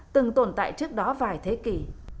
từng tồn tại trước đó vài thế kỷ